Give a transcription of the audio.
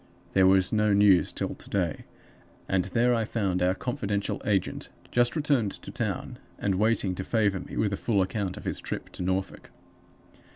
There was no news till to day; and there I found our confidential agent just returned to town, and waiting to favor me with a full account of his trip to Norfolk.